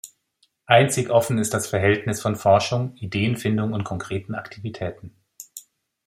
Einzig offen ist das Verhältnis von Forschung, Ideenfindung und konkreten Aktivitäten.